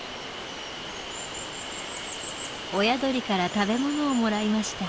親鳥から食べ物をもらいました。